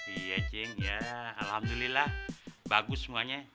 iya jing ya alhamdulillah bagus semuanya